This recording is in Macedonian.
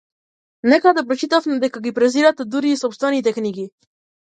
Некаде прочитавме дека ги презирате дури и сопстените книги.